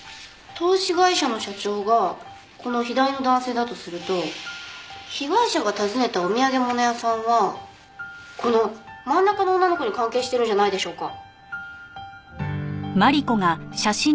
投資会社の社長がこの左の男性だとすると被害者が訪ねたお土産物屋さんはこの真ん中の女の子に関係してるんじゃないでしょうか。